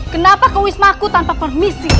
kenapa kewismaku tanpa permisi